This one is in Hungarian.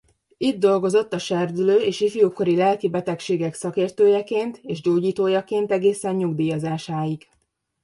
Itt dolgozott a serdülő- és ifjúkori lelki betegségek szakértőjeként és gyógyítójaként egészen nyugdíjazásáig.